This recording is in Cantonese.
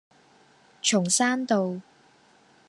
松山道